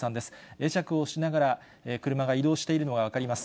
会釈をしながら、車が移動しているのが分かります。